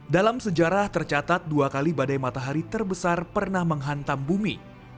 dalam sejarah tercatat dua kali badai matahari terbesar pernah menghantam bumi